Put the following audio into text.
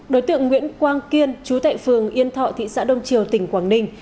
đối tượng nguyễn quang kiên chú tại phường yên thọ thị xã đông triều tỉnh quảng ninh